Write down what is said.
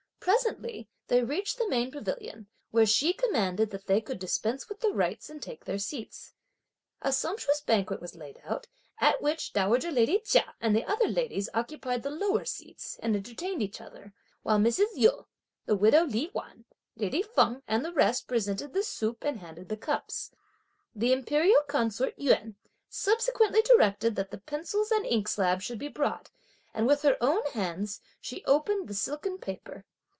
Presently they reached the main pavilion, where she commanded that they could dispense with the rites and take their seats. A sumptuous banquet was laid out, at which dowager lady Chia and the other ladies occupied the lower seats and entertained each other, while Mrs. Yu, widow Li Wan, lady Feng and the rest presented the soup and handed the cups. The Imperial consort Yuan subsequently directed that the pencils and inkslabs should be brought, and with her own hands she opened the silken paper.